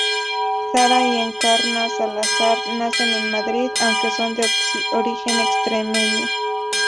Sara y Encarna Salazar nacen en Madrid, aunque son de origen extremeño.